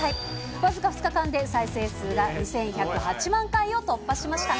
僅か２日間で再生数が２１０８万回を突破しました。